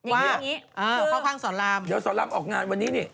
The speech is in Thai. เดี๋ยวเข้าข้างสอนรามเดี๋ยวสอนรามออกงานวันนี้นี่